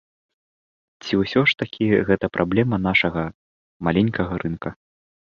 Ці ўсё ж такі гэта праблема нашага маленькага рынка?